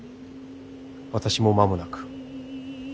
私も間もなく。